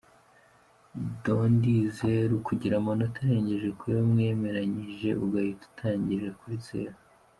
Dondi zeru : kugira amanota arengeje kuyo mwemeranyije ugahita utangirira kuri zeru.